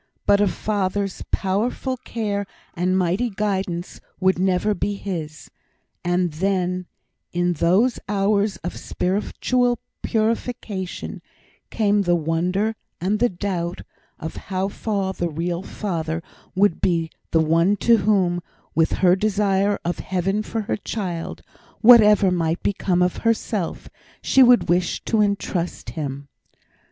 But a father's powerful care and mighty guidance would never be his; and then, in those hours of spiritual purification, came the wonder and the doubt of how far the real father would be the one to whom, with her desire of heaven for her child, whatever might become of herself, she would wish to entrust him.